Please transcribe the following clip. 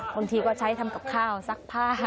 บางทีก็ใช้ทำกับข้าวซักผ้า